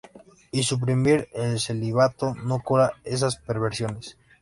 Y suprimir el celibato no cura esas perversiones.